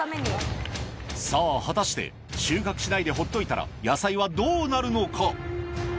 さぁ果たして収穫しないでほっといたら野菜はどうなるのか？